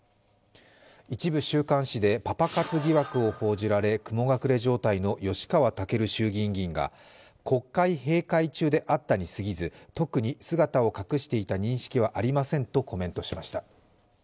一部週刊誌でパパ活疑惑を報じられ雲隠れ状態の吉川赳衆議院議員が、国会閉会中であったにすぎず、特に姿を隠してた認識はありませんとコメントしました。